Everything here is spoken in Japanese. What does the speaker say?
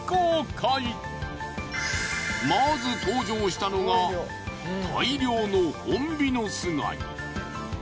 まず登場したのが大量のホンビノス貝。